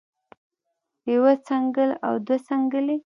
يوه څنګل او دوه څنګلې